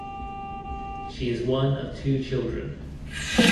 She is one of two children.